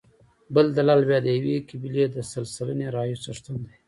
بل دلال بیا د یوې قبیلې د سل سلنې رایو څښتن دی.